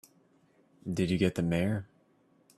Did you get the Mayor?